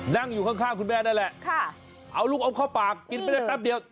นั่งอยู่ข้างคุณแม่นั่นแหละเอาลูกเอาเข้าปากกินไปได้แป๊บเดียว